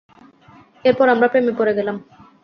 এরপর আমরা প্রেমে পড়ে গেলাম।